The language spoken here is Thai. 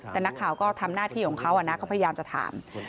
แต่นักข่าวก็ทำหน้าที่ของเขานะเขาพยายามจะถาม